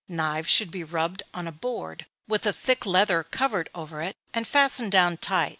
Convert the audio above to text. Knives should be rubbed on a board, with a thick leather covered over it, and fastened down tight.